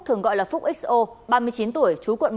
thường gọi là phúc xo ba mươi chín tuổi